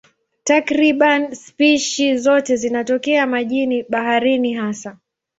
Takriban spishi zote zinatokea majini, baharini hasa.